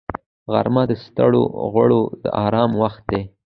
غرمه د ستړو غړو د آرام وخت دی